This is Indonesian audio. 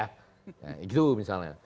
nah gitu misalnya